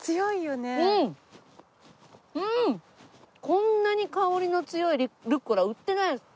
こんなに香りの強いルッコラ売ってないです。